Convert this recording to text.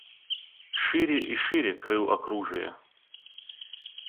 Шире и шире крыл окружие.